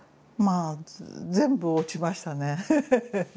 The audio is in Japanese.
あ全部落ちましたね。